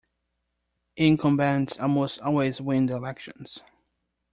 Incumbents almost always win the elections.